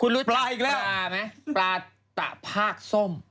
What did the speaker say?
คุณรู้จักปลาไหมปลาตะภาคส้ม